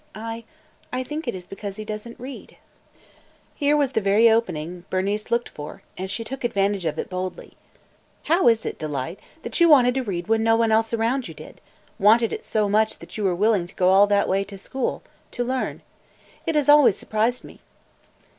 "I – I think it is because he does n't read." Here was the very opening Bernice longed for, and she took advantage of it boldly. "How is it, Delight, that you wanted to read when no one else around you did – wanted it so much that you were willing to go all that way to school to – to learn? It has always surprised me."